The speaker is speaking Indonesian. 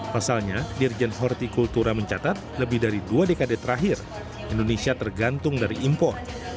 pasalnya dirjen hortikultura mencatat lebih dari dua dekade terakhir indonesia tergantung dari impor